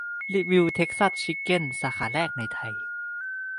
รีวิวเทกซัสชิกเก้นสาขาแรกในไทย